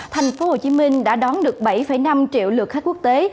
thành phố hồ chí minh đã đón được bảy năm triệu lượt khách quốc tế